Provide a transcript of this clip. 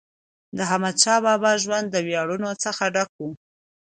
د احمدشاه بابا ژوند د ویاړونو څخه ډک و.